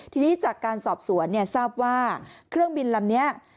ทีนี้จากการสอบสวนเนี่ยทราบว่าเครื่องบินลำนี้